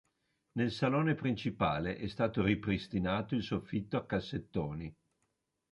Nel salone principale è stato ripristinato il soffitto a cassettoni.